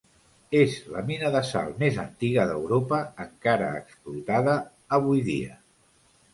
És la mina de sal més antiga d'Europa encara explotada avui dia.